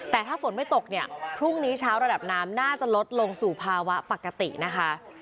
แต่ถ้าฝนไม่ตกเนี่ยพรุ่งนี้เช้าระดับน้ำน่าจะลดลงสู่ภาวะปกตินะคะ